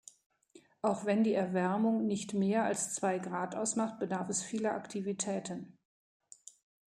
Auch wenn die Erwärmung nicht mehr als zwei Grad ausmacht, bedarf es vieler Aktivitäten.